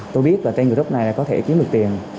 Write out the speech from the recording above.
tôi biết trên group này có thể kiếm được tiền